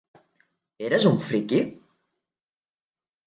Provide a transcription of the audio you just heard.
Eres un friqui?